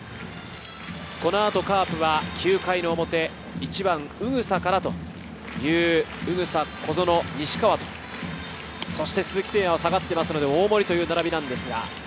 この後カープは９回の表、１番・宇草から小園、西川、そして鈴木誠也は下がってますので、大盛という並びなんですが。